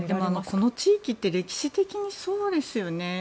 この地域って歴史的にそうですよね。